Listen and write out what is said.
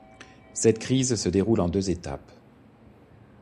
Cette crise se déroule en deux étapes.